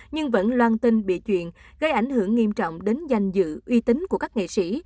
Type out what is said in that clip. nhưng vẫn loan tin bị chuyện gây ảnh hưởng nghiêm trọng đến danh dự uy tín của các nghệ sĩ